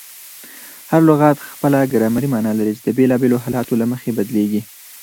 هر لغت خپله ګرامري مانا لري، چي د بېلابېلو حالتو له مخي بدلیږي.